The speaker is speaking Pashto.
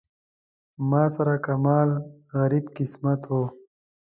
ما سره کمال غریب قسمت و.